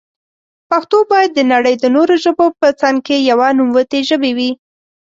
پښتو بايد دنړی د نورو ژبو په څنګ کي يوه نوموتي ژبي وي.